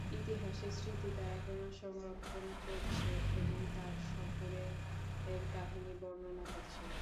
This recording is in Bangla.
ইতিহাসের স্মৃতি তা এখনো সংরক্ষণ করছে এবং তাঁর সফরের কাহিনী বর্ণনা করছে।